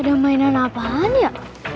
ada mainan apaannya